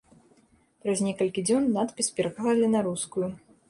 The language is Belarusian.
Праз некалькі дзён надпіс пераклалі на рускую.